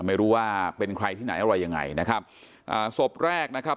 ไม่รู้ว่าเป็นใครที่ไหนอะไรยังไงนะครับอ่าศพแรกนะครับ